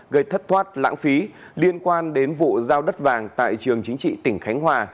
gây thất thoát lãng phí liên quan đến vụ giao đất vàng tại trường chính trị tỉnh khánh hòa